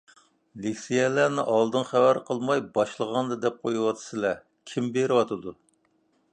لېكسىيەلەرنى ئالدىن خەۋەر قىلماي باشلىغاندا دەپ قويۇۋاتىسىلەر. كىم بېرىۋاتىدۇ؟